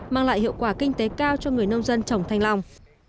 mang lại hiệu quả kinh tế cao cho người nông dân trồng thanh long